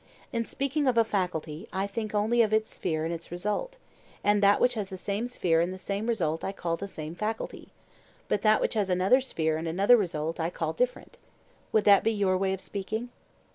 In speaking of a faculty I think only of its sphere and its result; and that which has the same sphere and the same result I call the same faculty, but that which has another sphere and another result I call different. Would that be your way of speaking?